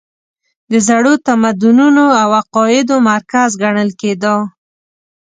د زړو تمدنونو او عقایدو مرکز ګڼل کېده.